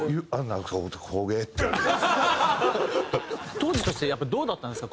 当時としてやっぱどうだったんですか？